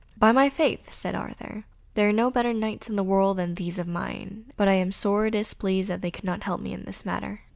"By my faith," said Arthur, "there are no better Knights in the world than these of mine, but I am sore displeased that they cannot help me in this matter."